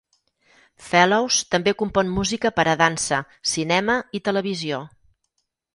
Fellows també compon música per a dansa, cinema i televisió.